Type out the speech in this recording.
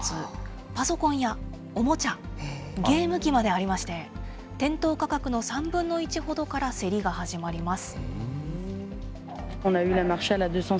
パソコンやおもちゃ、ゲーム機までありまして、店頭価格の３分の１ほどから競りが始まります。